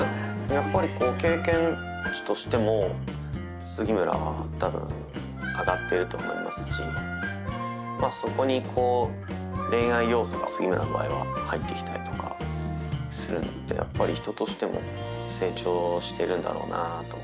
やっぱりこう経験値としても杉村は多分上がってると思いますしまあそこに恋愛要素が杉村の場合は入ってきたりとかするのでやっぱり人としても成長してるんだろうなあと思って。